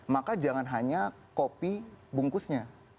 maka jangan hanya kopi bungkusnya